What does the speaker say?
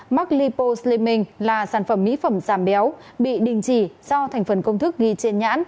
max lipo slimming là sản phẩm mỹ phẩm giảm béo bị đình chỉ do thành phần công thức ghi trên nhãn